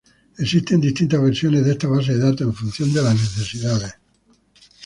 Existen distintas versiones de esta base de datos, en función de las necesidades.